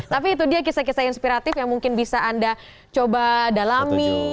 tapi itu dia kisah kisah inspiratif yang mungkin bisa anda coba dalami